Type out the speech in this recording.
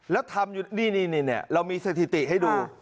แล้วทำอยู่นี่เรามีสถิติให้ดู